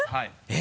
え！